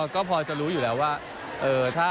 ก็พอจะรู้อยู่แล้วว่า